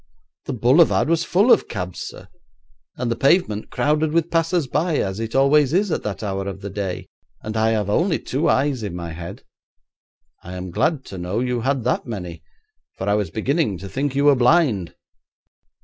'The boulevard was full of cabs, sir, and the pavement crowded with passers by, as it always is at that hour of the day, and I have only two eyes in my head.' 'I am glad to know you had that many, for I was beginning to think you were blind.'